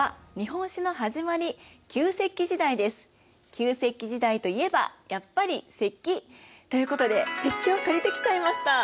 旧石器時代といえばやっぱり石器！ということで石器を借りてきちゃいました。